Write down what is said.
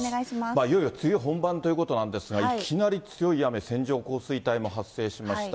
いよいよ梅雨本番ということなんですが、いきなり強い雨、線状降水帯も発生しました。